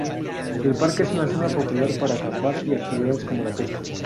El parque es una zona popular para acampar, y por actividades como la pesca.